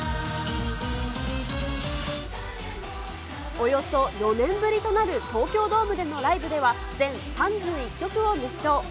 およそ４年ぶりとなる東京ドームでのライブでは、全３１曲を熱唱。